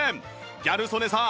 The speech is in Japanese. ギャル曽根さん